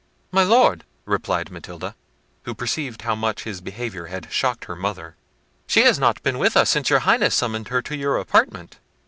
"My Lord," replied Matilda, who perceived how much his behaviour had shocked her mother, "she has not been with us since your Highness summoned her to your apartment."